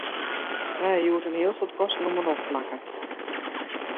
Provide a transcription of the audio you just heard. Wy hawwe in heel soad kosten om 'e nocht makke.